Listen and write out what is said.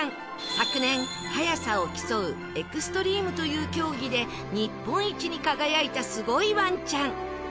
昨年速さを競うエクストリームという競技で日本一に輝いたすごいワンちゃん